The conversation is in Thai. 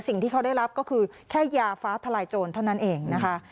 สิ่งที่เขาได้รับก็คือแค่ยาฟ้าทลายโจรเท่านั้นเองนะคะ